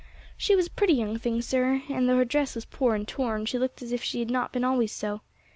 "She was a pretty young thing, sir; and though her dress was poor and torn, she looked as if she had not been always so.